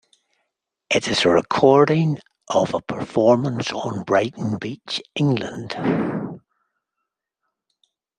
It is a recording of a performance on Brighton Beach, England.